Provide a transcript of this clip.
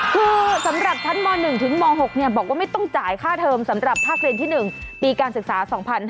คือสำหรับชั้นม๑ถึงม๖บอกว่าไม่ต้องจ่ายค่าเทอมสำหรับภาคเรียนที่๑ปีการศึกษา๒๕๕๙